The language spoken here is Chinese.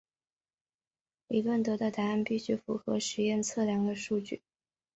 理论得到的答案必须符合实验测量的数据。